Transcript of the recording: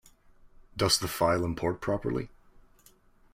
Does the file import properly?